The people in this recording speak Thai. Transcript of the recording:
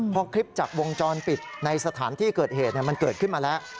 พอคลิปจากวงจรปิดในสถานที่เกิดเหตุมันเกิดขึ้นมาแล้ว